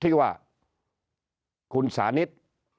ที่ว่าคุณสานิท